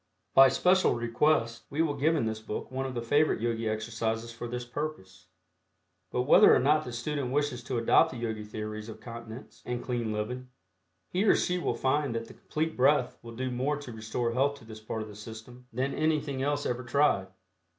By special request we will give in this book one of the favorite Yogi exercises for this purpose. But whether or not the student wishes to adopt the Yogi theories of continence and clean living, he or she will find that the Complete Breath will do more to restore health to this part of the system than anything else ever tried.